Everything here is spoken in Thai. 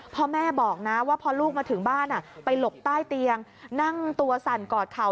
พ่อแม่บอกนะว่าพอลูกมาถึงบ้านไปหลบใต้เตียงนั่งตัวสั่นกอดเข่า